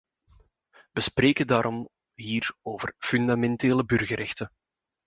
We spreken daarom hier over fundamentele burgerrechten.